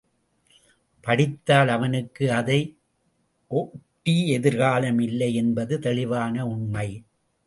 படித்தால் அவனுக்கு அதை ஒட்டி எதிர்காலம் இல்லை என்பது தெளிவான உண்மை.